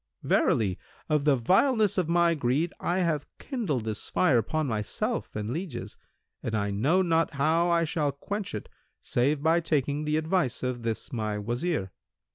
Verily, of the vileness of my greed I have kindled this fire upon myself and lieges, and I know not how I shall quench it, save by taking the advice of this my Wazir."